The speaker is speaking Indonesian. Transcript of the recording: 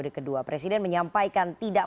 diumuminnya kapan pak